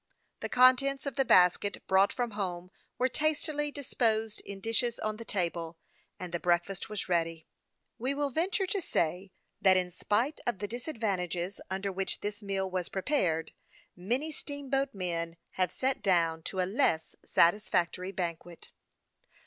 The contents of the basket brought from home were tastily disposed in dishes on the table, and breakfast was ready. We will venture to say, that, in spite of the disadvantages under which this meal was prepared, many steamboat men have sat down to a less satisfactory banquet.